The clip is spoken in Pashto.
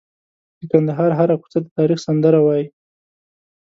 د کندهار هره کوڅه د تاریخ سندره وایي.